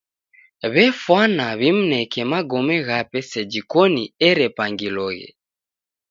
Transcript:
W'efwana w'imneke magome ghape seji koni erepangiloghe.